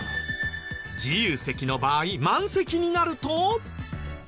自由席の場合満席になると。